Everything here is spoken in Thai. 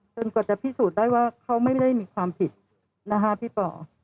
กว่าจะพิสูจน์ได้ว่าเขาไม่ได้มีความผิดนะคะพี่ป่อ